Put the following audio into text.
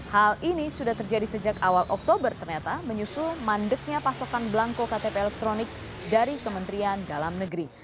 hal ini sudah terjadi sejak awal oktober ternyata menyusul mandeknya pasokan belangko ktp elektronik dari kementerian dalam negeri